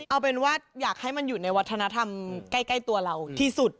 เอาเป็นว่าอยากให้มันอยู่ในวัฒนธรรมใกล้ตัวเราที่สุด